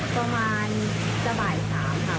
มึงหอบว่าว่าบ้านหลังนี้มีอะไร